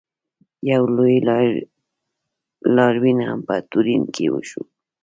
یو لوی لاریون هم په تورین کې وشو.